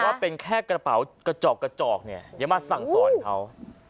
บอกว่าเป็นแค่กระเป๋ากระจอกเนี่ยอย่ามาสั่งซ้อนเขา